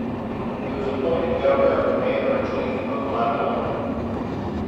He was appointed governor and commander-in-chief of Labuan.